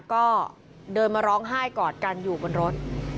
ก็เดินมาร้องไห้กอดกันอยู่บนรถ